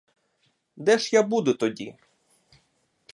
Де ж я буду тоді?